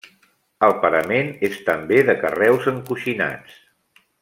El parament és també de carreus encoixinats.